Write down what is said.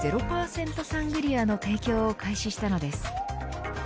サングリアの提供を開始したのです。